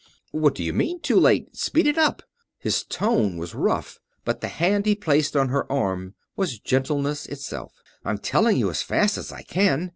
"What do you mean, too late? Speed it up!" His tone was rough, but the hand he placed on her arm was gentleness itself. "I'm telling you as fast as I can.